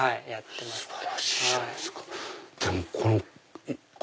素晴らしいじゃないですか。